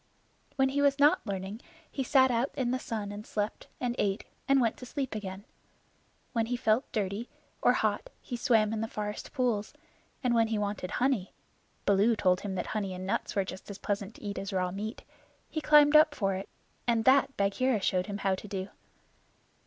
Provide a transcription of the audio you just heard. When he was not learning he sat out in the sun and slept, and ate and went to sleep again. When he felt dirty or hot he swam in the forest pools; and when he wanted honey (Baloo told him that honey and nuts were just as pleasant to eat as raw meat) he climbed up for it, and that Bagheera showed him how to do.